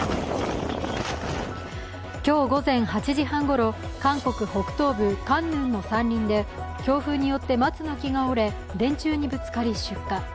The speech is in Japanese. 今日午前８時半ごろ韓国北東部江陵の山林で強風によって松の木が折れ電柱にぶつかり出火。